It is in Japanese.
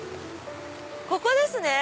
ここですね。